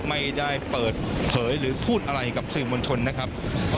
ไม่ได้เปิดเผยหรือพูดอะไรกับสื่อมวลชนนะครับ